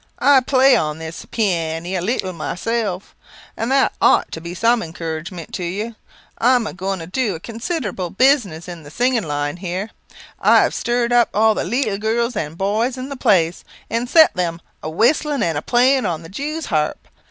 I play on this pee a ne a leetle myself, and that ought to be some encouragement to you. I am goin' to do a considerable business in the singing line here. I have stirred up all the leetle girls and boys in the place, and set them whistling an' playing on the Jew's harp.